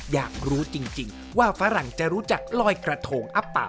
อยากรู้จริงว่าฝรั่งจะรู้จักลอยกระทงอับป่า